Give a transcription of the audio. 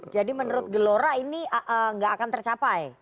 jadi menurut gelora ini gak akan tercapai